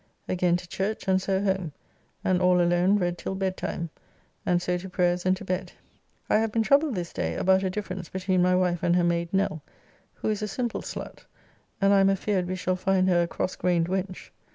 Again to church and so home, and all alone read till bedtime, and so to prayers and to bed. I have been troubled this day about a difference between my wife and her maid Nell, who is a simple slut, and I am afeard we shall find her a cross grained wench.